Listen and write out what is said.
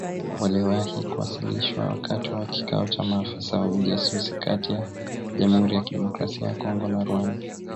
“Waliwahi kuwasilishwa wakati wa kikao cha maafisa wa ujasusi kati ya Jamuhuri ya Kidemokrasia ya Congo na Rwanda"